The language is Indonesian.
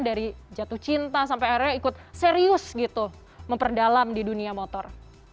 dari jatuh cinta sampai akhirnya ikut serius gitu memperdalam di dunia motor